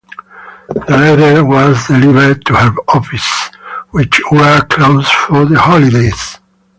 The letter was delivered to her offices, which were closed for the holidays.